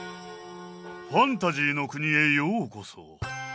ファンタジーの国へようこそ！